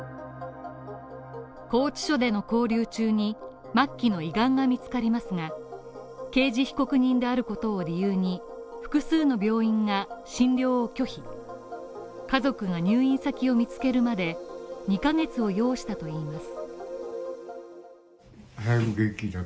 拘置所での勾留中に、末期の胃がんが見つかりますが、刑事被告人であることを理由に、複数の病院が診療を拒否、家族が入院先を見つけるまで２ヶ月を要したといいます。